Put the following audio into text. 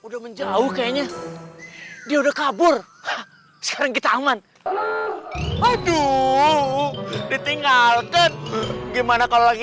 udah menjauh kayaknya dia udah kabur sekarang kita aman waduh ditinggalkan gimana kalau lagi